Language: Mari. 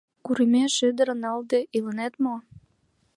— Курымеш ӱдыр налде илынет мо?